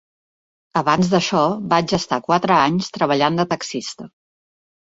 Abans d'això, vaig estar quatre anys treballant de taxista.